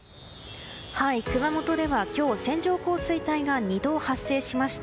熊本では今日、線状降水帯が２度発生しました。